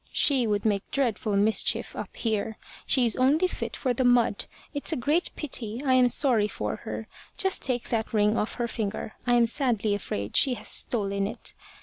She would make dreadful mischief up here. She's only fit for the mud. It's a great pity. I am sorry for her. Just take that ring off her finger. I am sadly afraid she has stolen it.'